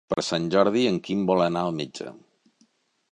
Per Sant Jordi en Quim vol anar al metge.